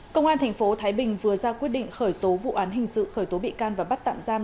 công an tp thái bình vừa ra quyết định khởi tố vụ án hình sự khởi tố bị can và bắt tạm giam